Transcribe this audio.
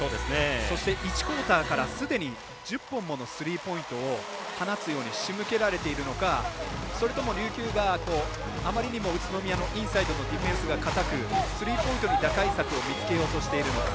そして１クオーターからすでに１０本ものスリーポイント放つように仕向けられているのかそれとも琉球があまりにも宇都宮のインサイドのディフェンスが堅くスリーポイントで打開策を見つけようとしているのか。